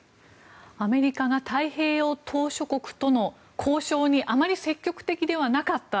アメリカが太平洋島しょ国との交渉にあまり積極的ではなかった。